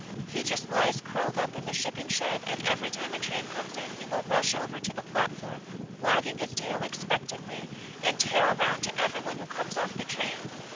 He just lies curled up in the shipping shed, and every time a train comes in he will rush over to the platform, wagging his tail expectantly, and tear around to every one who comes off the train.